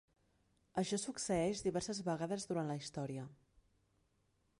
Això succeeix diverses vegades durant la història.